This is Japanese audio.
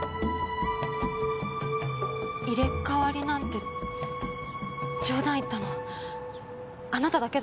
入れ替わりなんて冗談言ったのあなただけだから。